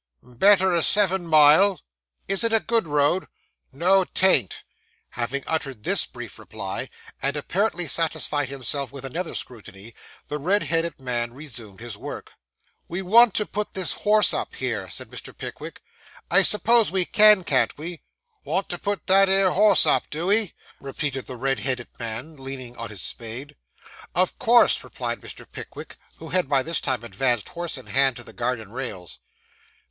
'Better er seven mile.' 'Is it a good road?' 'No, 'tain't.' Having uttered this brief reply, and apparently satisfied himself with another scrutiny, the red headed man resumed his work. 'We want to put this horse up here,' said Mr. Pickwick; 'I suppose we can, can't we?' Want to put that ere horse up, do ee?' repeated the red headed man, leaning on his spade. 'Of course,' replied Mr. Pickwick, who had by this time advanced, horse in hand, to the garden rails.